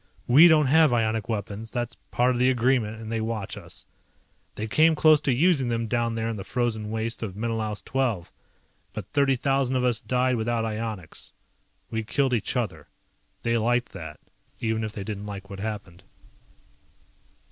We don't have ionic weapons, that's part of the agreement and they watch us. They came close to using them down there in the frozen waste of Menelaus XII, but thirty thousand of us died without ionics. We killed each other. They liked that, even if they didn't like what happened.